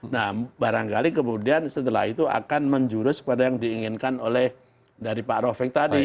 nah barangkali kemudian setelah itu akan menjurus kepada yang diinginkan oleh dari pak rofik tadi